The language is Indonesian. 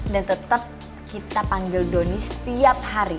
dan tetap kita panggil doni setiap hari